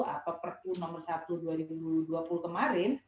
atau perpu nomor satu dua ribu dua puluh kemarin